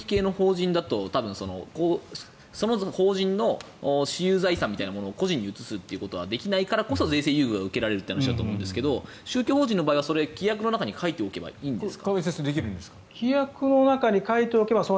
例えばＮＰＯとか公人系の法人だと私有財産を個人に移すということはできないからこそ税制優遇が受けられるということだと思うんですが宗教法人の場合はそれを規約の中に書いておけばいいんですか？